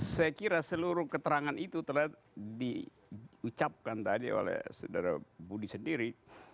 saya kira seluruh keterangan itu telah diucapkan tadi oleh saudara budi sendiri